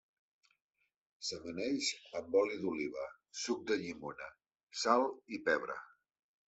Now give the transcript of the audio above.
S'amaneix amb oli d'oliva, suc de llimona, sal i pebre.